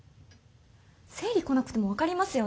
生理こなくても分かりますよね？